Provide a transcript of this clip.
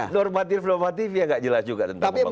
normatif normatif ya nggak jelas juga tentang pembangunan